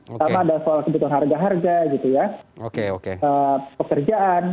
pertama ada soal kebutuhan harga harga gitu ya pekerjaan